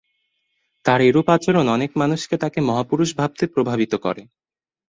তার এরূপ আচরণ অনেক মানুষকে তাকে মহাপুরুষ ভাবতে প্রভাবিত করে।